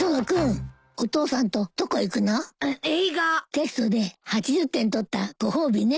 テストで８０点取ったご褒美ね。